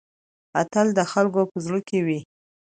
اتل د خلکو په زړه کې وي